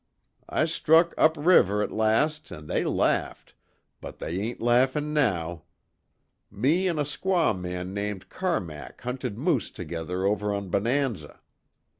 I struck up river at last an' they laughed but they ain't laughin' now. Me an' a squaw man named Carmack hunted moose together over on Bonanza.